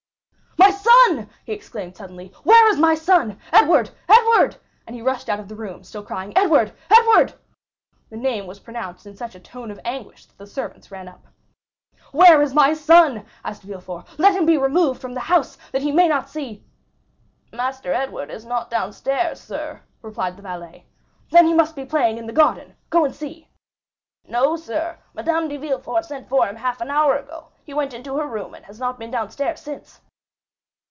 "My son!" he exclaimed suddenly, "where is my son?—Edward, Edward!" and he rushed out of the room, still crying, "Edward, Edward!" The name was pronounced in such a tone of anguish that the servants ran up. "Where is my son?" asked Villefort; "let him be removed from the house, that he may not see——" "Master Edward is not downstairs, sir," replied the valet. "Then he must be playing in the garden; go and see." 50193m "No, sir; Madame de Villefort sent for him half an hour ago; he went into her room, and has not been downstairs since."